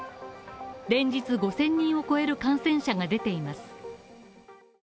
連日５０００人を超える感染者が出ています。